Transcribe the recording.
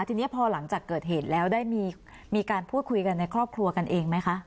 ทีนี้พอหลังจากเกิดเหตุแล้วได้มีการพูดคุยกันในครอบครัวกันเองไหมคะ